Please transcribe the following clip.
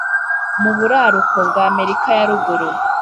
mu buraruko bwa Amerika ya Ruguru